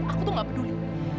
aku tuh gak peduli